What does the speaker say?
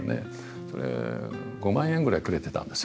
それ、５万円ぐらいくれてたんですよ。